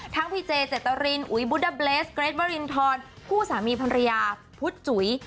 ทั้งพี่เจเจตรินอุ๊ยบุ๊ดด้าเบรสเกรทบรินทรผู้สามีพรรยาพุทธจุ๋ย